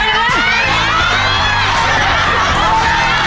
๑๐ลูกย้อน